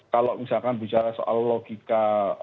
kalau misalkan bicara soal logika